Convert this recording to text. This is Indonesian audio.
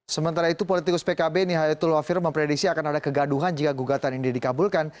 sementara itu politikus pkb nihayatul wafir mempredisi akan ada kegaduhan jika gugatan ini dikabulkan